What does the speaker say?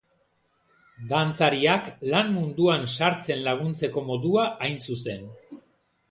Dantzariak lan munduan sartzen laguntzeko modua hain zuzen.